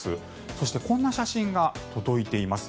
そしてこんな写真が届いています。